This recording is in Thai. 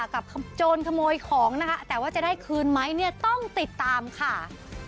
กับโจรขโมยของนะคะแต่ว่าจะได้คืนไหมเนี่ยต้องติดตามค่ะ